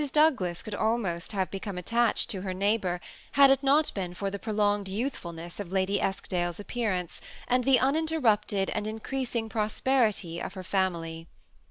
Douglas could almost have become attached to her neighbor, had it not been for the prolonged youthfulness of Lady Esk dale's appearance, and the uninterrupted and increasing prosperity of her family.